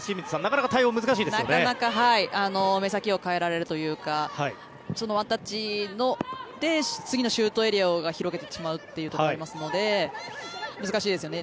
なかなか目先を変えられるというかそのワンタッチで次のシュートエリアを広げてしまうというところがありますので難しいですよね。